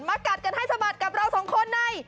มากัดกันให้สมัติกับเราสองคนใน